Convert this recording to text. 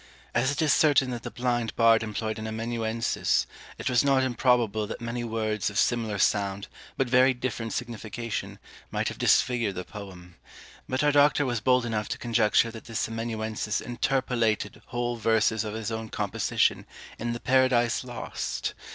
As it is certain that the blind bard employed an amanuensis, it was not improbable that many words of similar sound, but very different signification, might have disfigured the poem; but our Doctor was bold enough to conjecture that this amanuensis interpolated whole verses of his own composition in the "Paradise Lost!"